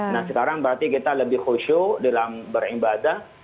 nah sekarang berarti kita lebih khusyuk dalam beribadah